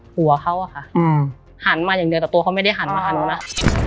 หัวเขาอะค่ะหันมาอย่างเดียวแต่ตัวเขาไม่ได้หันมาหาหนูนะ